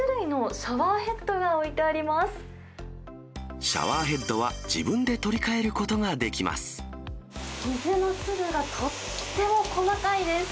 シャワーヘッドは自分で取り水の粒がとっても細かいです。